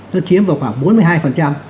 nó chiếm vào khoảng bốn mươi hai